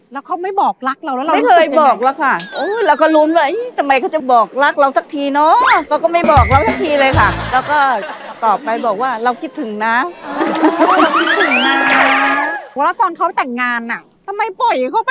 แล้วเขาไม่บอกรักเราแล้วเรารู้สึกเป็นไงค่ะไม่เคยบอกว่าค่ะ